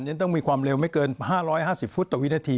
ต้องมีความเร็วไม่เกิน๕๕๐ฟุตต่อวินาที